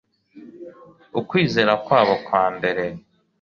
ukwizera kwabo kwa mbere